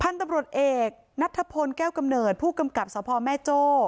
พันธ์ตำรวจเอกณัฐพลแก้วกำเนิดผู้กำกับสภอแม่โจ้